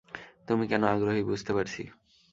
তুমি কেন আগ্রহী বুঝতে পারছি।